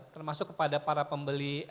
termasuk kepada para pembeli